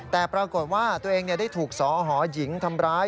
แต่ปรากฏว่าตัวเองได้ถูกสอหอหญิงทำร้าย